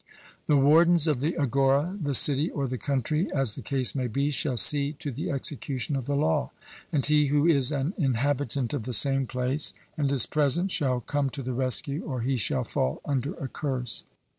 The wardens of the agora, the city, or the country, as the case may be, shall see to the execution of the law. And he who is an inhabitant of the same place and is present shall come to the rescue, or he shall fall under a curse.